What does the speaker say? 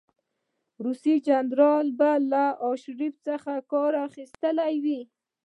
روسي جنرال به له آرشیف څخه کار اخیستی وي.